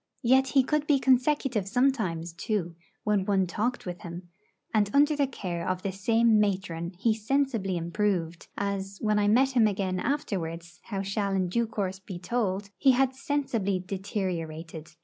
Yet he could be consecutive sometimes, too, when one talked with him; and under the care of the same matron he sensibly improved, as, when I met him again afterwards how shall in due course be told he had sensibly deteriorated.